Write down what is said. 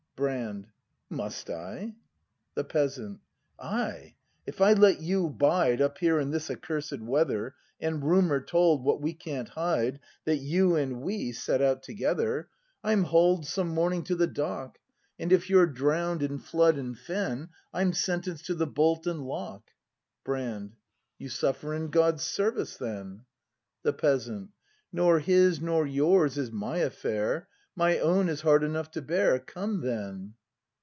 Brand. Must I ? The Peasant. Ay, if I let you bide 4 Up here in this accursed weather. And rumour told, what we can't hide, That you and we set out together. 24 BRAND [act i I'm haul'd some morning to the dock, — And if you're drown'd in flood and fen, I'm sentenced to the bolt and lock Brand. You suffer in God's service, then The Peasant. Nor his nor yours is my affair; My own is hard enough to bear. Come then!